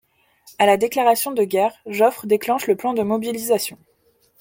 À la déclaration de guerre, Joffre déclenche le plan de mobilisation.